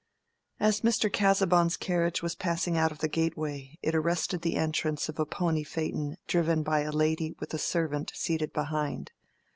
As Mr. Casaubon's carriage was passing out of the gateway, it arrested the entrance of a pony phaeton driven by a lady with a servant seated behind.